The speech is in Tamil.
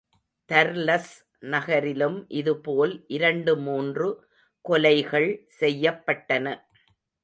தர்லஸ் நகரிலும் இதுபோல் இரண்டு மூன்று கொலைகள் செய்யப்பட்டன.